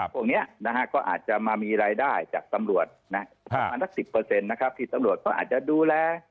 พวกนี้ก็อาจจะมามีรายได้จากตำรวจประมาณสัก๑๐นะครับที่ตำรวจก็อาจจะดูแล